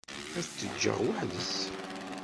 Ad t-ǧǧeɣ weḥd-s.